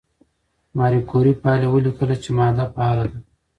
ماري کوري پایله ولیکله چې ماده فعاله ده.